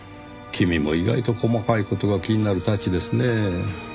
君も意外と細かい事が気になるたちですねぇ。